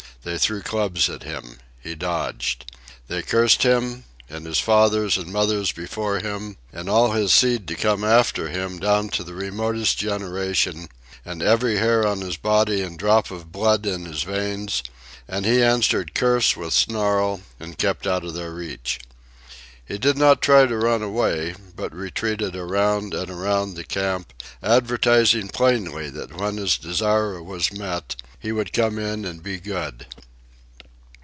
They threw clubs at him. He dodged. They cursed him, and his fathers and mothers before him, and all his seed to come after him down to the remotest generation, and every hair on his body and drop of blood in his veins; and he answered curse with snarl and kept out of their reach. He did not try to run away, but retreated around and around the camp, advertising plainly that when his desire was met, he would come in and be good.